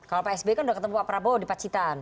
kalau pak sby kan udah ketemu pak prabowo di pacitan